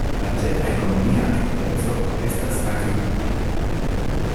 La ĉefa ekonomia aktiveco estas agrikulturo.